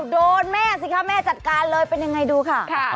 โดนแม่สิคะแม่จัดการเลยเป็นยังไงดูค่ะ